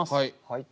はい！